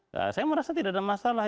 nah saya merasa tidak ada masalah